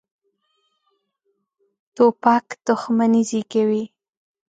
توپک دښمني زېږوي.